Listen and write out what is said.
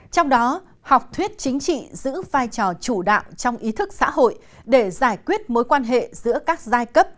trong đó học thuyết chính trị giữ vai trò chủ đạo trong ý thức xã hội để giải quyết mối quan hệ giữa các giai cấp